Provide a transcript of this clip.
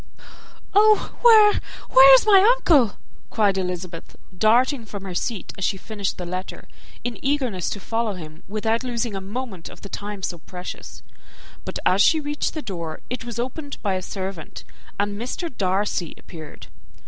"Oh! where, where is my uncle?" cried Elizabeth, darting from her seat as she finished the letter, in eagerness to follow him, without losing a moment of the time so precious; but as she reached the door, it was opened by a servant, and Mr. Darcy appeared.